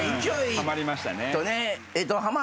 はまりましたね。